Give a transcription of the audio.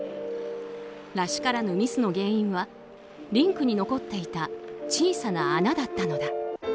らしからぬミスの原因はリンクに残っていた小さな穴だったのだ。